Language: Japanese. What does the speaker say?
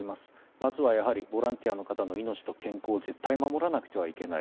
まずはボランティアの方の命と健康を絶対守らなくてはいけない。